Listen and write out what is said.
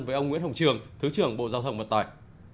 với ông nguyễn hồng trường thứ trưởng bộ giao thông vận tải